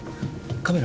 カメラ。